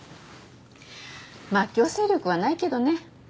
まあ強制力はないけどね。